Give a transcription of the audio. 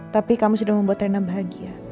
tapi kamu sudah membuat rena bahagia